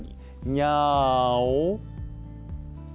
にゃーお。